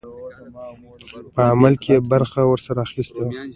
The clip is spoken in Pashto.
په عمل کې یې برخه ورسره اخیستې وه.